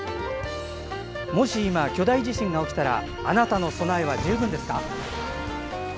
もし今巨大地震が起きたらあなたの備えは十分ですか？